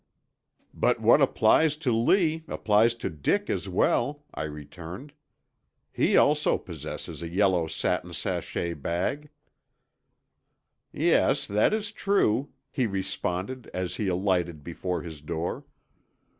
"But what applies to Lee, applies to Dick as well," I returned. "He also possesses a yellow satin sachet bag." "Yes, that is true," he responded as he alighted before his door.